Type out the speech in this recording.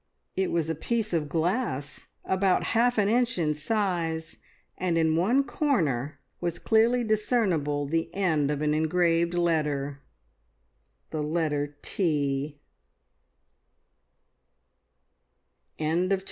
It was a piece of glass, about half an inch in size, and in one corner was clearly discernible the end of an engraved letter the letter "T!"